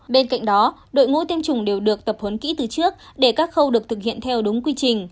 bên cạnh đó đội ngũ tiêm chủng đều được tập huấn kỹ từ trước để các khâu được thực hiện theo đúng quy trình